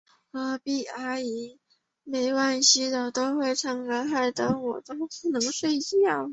隔壁阿姨每晚洗澡都要唱歌，害得我不能睡觉。